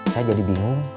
saya jadi bingung